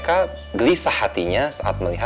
ada aja alasannya